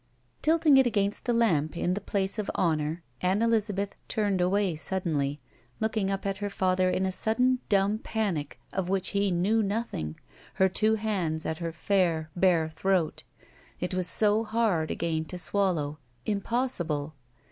Tilting it against the lamp in the place of honor, Ann Elizabeth ttuned away suddenly, looking up at her father in a sudden dtunb panic of which he knew nothing, her two hands at her fair, bare throat. It was so hard again to swallow. Impossible.